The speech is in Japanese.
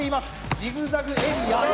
ジグザグエリア。